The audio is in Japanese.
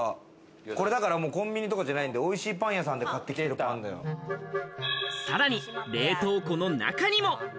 これだからコンビニとかじゃない、美味しいパン屋さんで買っさらに冷凍庫の中にも。